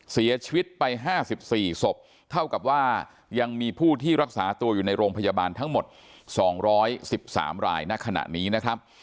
เสียชีวิตไป๕๔ศพเท่ากับว่ายังมีผู้ที่รักษาตัวอยู่ในโรงพยาบาลทั้งหมด๒๑๓รายณขณะนี้นะครับ